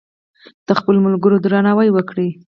د خپلو ملګرو درناوی وکړئ.